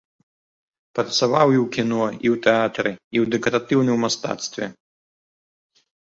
Працаваў і ў кіно і ў тэатры і ў дэкаратыўным мастацтве.